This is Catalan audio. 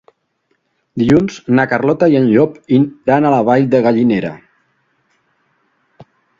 Dilluns na Carlota i en Llop iran a la Vall de Gallinera.